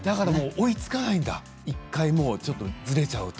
追いつかないんだ１回ずれちゃうと。